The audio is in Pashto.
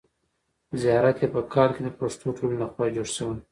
زیارت یې په کال کې د پښتو ټولنې له خوا جوړ شوی.